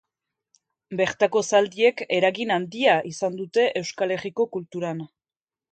Bertako zaldiek eragin handia izan dute Euskal Herriko kulturan.